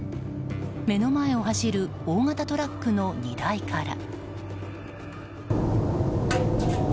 目の前を走る大型トラックの荷台から。